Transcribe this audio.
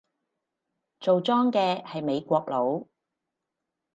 做莊嘅係美國佬